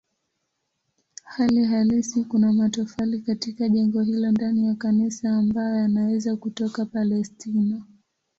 Hali halisi kuna matofali katika jengo hilo ndani ya kanisa ambayo yanaweza kutoka Palestina.